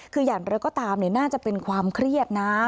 คืออย่างไรก็ตามน่าจะเป็นความเครียดนะ